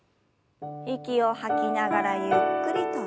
息を吐きながらゆっくりと前に。